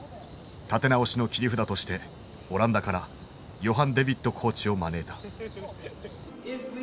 立て直しの切り札としてオランダからヨハン・デ・ヴィットコーチを招いた。